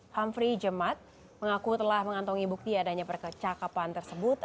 hamfri jemad mengaku telah mengantongi bukti adanya percakapan tersebut